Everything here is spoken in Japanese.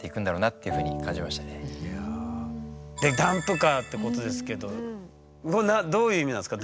で「ダンプカー」ってことですけどどういう意味なんですか？